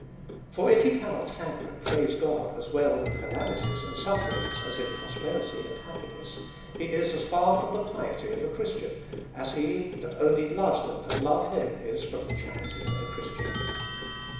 For if he cannot thank and praise God, as well in calamities and sufferings, as in prosperity and happi ness, he is as far from the piety of a Christian, as he that only loves them that loves him is from the charity of a Christian.